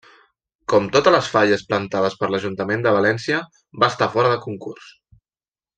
Com totes les falles plantades per l'Ajuntament de València, va estar fora de concurs.